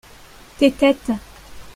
tes têtes.